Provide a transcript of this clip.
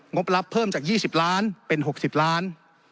บรับเพิ่มจาก๒๐ล้านเป็น๖๐ล้าน